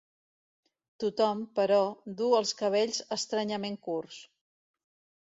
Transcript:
Tothom, però, du els cabells estranyament curts.